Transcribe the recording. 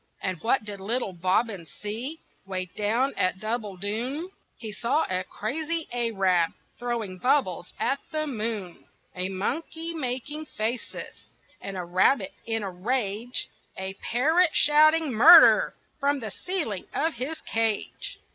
And what did little Bobbin see 'Way down at Doubbledoon? He saw a crazy Arab Throwing bubbles at the moon, A monkey making faces And a rabbit in a rage, A parrot shouting "Murder!" From the ceiling of his cage.